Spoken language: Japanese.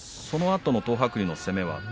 そのあとの東白龍の攻めは？